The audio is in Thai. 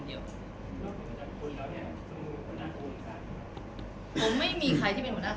เงินจำนวนที่คุณทำธุรกิจ